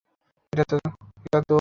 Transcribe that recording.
এটা তো আমার ধাঁচের গান।